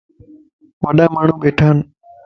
وڏا ماڻهون ٻيٽان